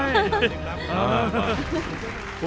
อีกครับ